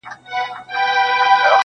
• که له مرګه ځان ژغورې کوهي ته راسه -